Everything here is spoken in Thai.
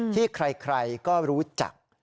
ที่ใครก็รู้จัก